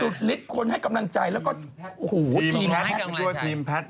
สูตรฤทธิ์คนให้กำลังใจแล้วก็โอ้โหทีมแพทซ์